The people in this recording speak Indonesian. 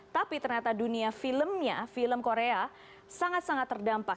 tapi ternyata dunia filmnya film korea sangat sangat terdampak